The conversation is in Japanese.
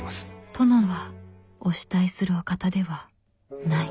殿はお慕いするお方ではない。